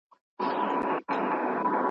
هره پېغله هره ښکلې د مُلا د سترګو خارکې `